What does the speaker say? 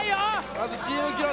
まずチーム記録。